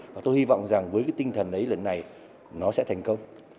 và tôi hy vọng rằng với tinh thần ấy lần này nó sẽ thành công